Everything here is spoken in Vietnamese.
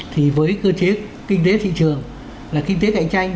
thì với cơ chế kinh tế thị trường là kinh tế cạnh tranh